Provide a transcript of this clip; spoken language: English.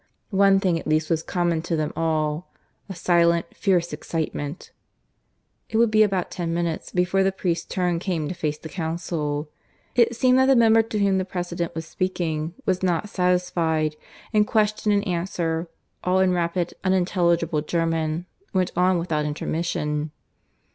One thing at least was common to them all a silent, fierce excitement. ... It would be about ten minutes before the priest's turn came to face the Council. It seemed that the member to whom the President was speaking was not satisfied, and question and answer, all in rapid, unintelligible German, went on without intermission.